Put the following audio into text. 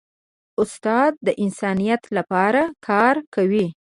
استاد د انسانیت لپاره کار کوي.